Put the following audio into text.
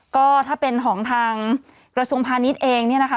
ก็ถ้าเป็นของทางกระทรวงพาณิชย์เองเนี่ยนะคะ